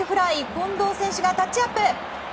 近藤選手がタッチアップ。